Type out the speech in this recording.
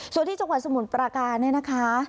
ส่วนที่จังหวัดสมุนปราการนะคะ